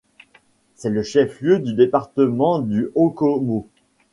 C'est le chef-lieu du département du Haut-Komo.